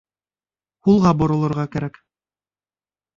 Һулға боролорға кәрәк